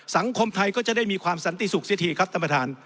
สังคมไทยก็จะได้มีความสันติสุขเสียทีครับท่านประธาน